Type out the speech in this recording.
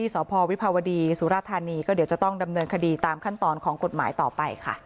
สพวิภาวดีสุรธานีก็เดี๋ยวจะต้องดำเนินคดีตามขั้นตอนของกฎหมายต่อไปค่ะ